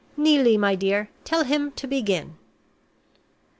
Neelie, my dear, tell him to begin."